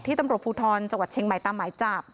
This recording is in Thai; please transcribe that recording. ตำรวจภูทรจังหวัดเชียงใหม่ตามหมายจับ